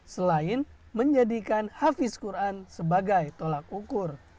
selain menjadikan hafiz quran sebagai tolak ukur